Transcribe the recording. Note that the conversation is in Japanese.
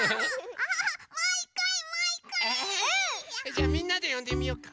じゃあみんなでよんでみようか。